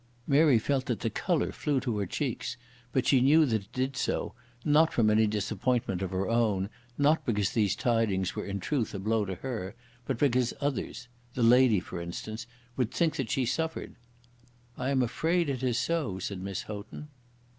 Mary felt that the colour flew to her cheeks; but she knew that it did so, not from any disappointment of her own, not because these tidings were in truth a blow to her, but because others, this lady, for instance, would think that she suffered. "I am afraid it is so," said Miss Houghton.